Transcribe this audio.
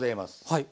はい。